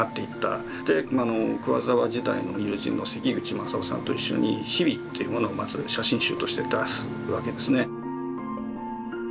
桑沢時代の友人の関口正夫さんと一緒に「日々」というものをまず写真集として出すわけですね。